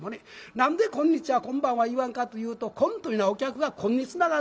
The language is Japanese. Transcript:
何で「こんにちは」「こんばんは」言わんかというと「こん」というのは「お客が来ん」につながるんですね。